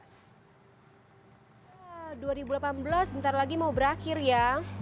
dua ribu delapan belas sebentar lagi mau berakhir ya